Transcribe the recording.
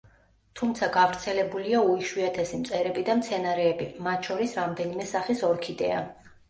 თუმცა გავრცელებულია უიშვიათესი მწერები და მცენარეები, მათ შორის რამდენიმე სახის ორქიდეა.